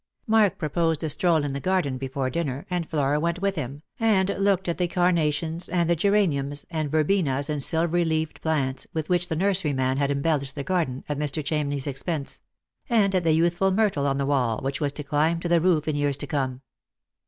Mark proposed a stroll in the garden before dinner, and. Flora went with him, and looked at the carnations and the geraniums and verbenas and silvery leaved plants with which the nurseryman had embellished the garden, at Mr. Chamney's expense ; and at the youthful myrtle on the wall which was to climb to the roof in years to come.